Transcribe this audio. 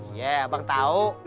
iya abang tau